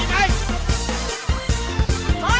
เร็ว